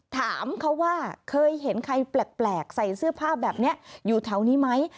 ถามเขาว่าเคยเห็นใครแปลกใส่เสื้อผ้าแบบนี้อยู่แถวนี้ไหม